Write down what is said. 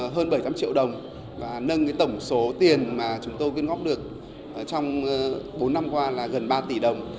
hơn bảy trăm linh triệu đồng và nâng tổng số tiền mà chúng tôi quyên góp được trong bốn năm qua là gần ba tỷ đồng